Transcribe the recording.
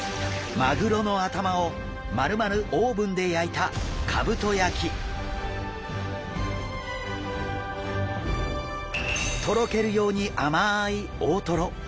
マグロの頭をまるまるオーブンで焼いたとろけるように甘い大トロ。